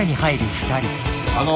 あの。